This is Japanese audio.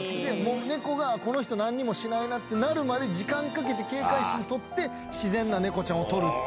猫がこの人何もしないなってなるまで時間かけて警戒心取って自然な猫ちゃんを撮る。